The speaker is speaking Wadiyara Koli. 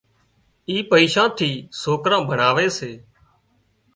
اي پئيشان ٿي سوڪران ڀڻاوي سي